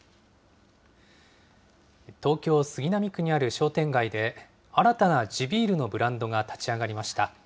東京・杉並区にある商店街で、新たな地ビールのブランドが立ち上がりました。